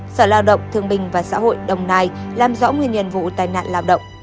sở lao động thương bình và xã hội đồng nai làm rõ nguyên nhân vụ tai nạn lao động